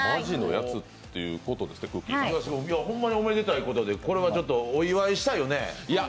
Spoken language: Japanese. ホンマにおめでたいことで、これはお祝いしたいよね。